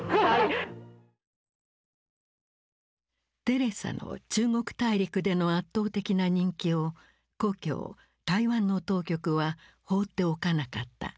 テレサの中国大陸での圧倒的な人気を故郷・台湾の当局は放っておかなかった。